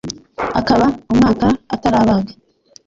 Akaba umwaka atarabaga